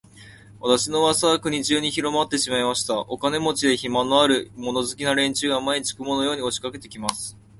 私の噂は国中にひろまってしまいました。お金持で、暇のある、物好きな連中が、毎日、雲のように押しかけて来ます。